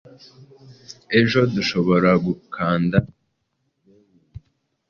Ejo dushobora gukanda rewindi